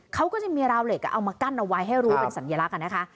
เขาก็จะมีราวเหล็กเอามากั้นเอาไว้ให้รู้เป็นสัญลักษณ์นะคะ